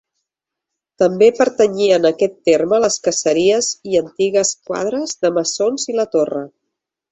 També pertanyien a aquest terme les caseries i antigues quadres de Mesons i la Torre.